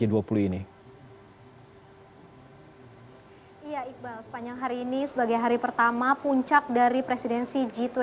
iya iqbal sepanjang hari ini sebagai hari pertama puncak dari presidensi g dua puluh